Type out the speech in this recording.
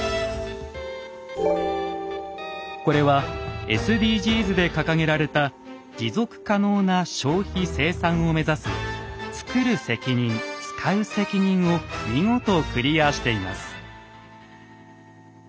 これはＳＤＧｓで掲げられた持続可能な消費・生産を目指す「つくる責任つかう責任」を見事クリアしています。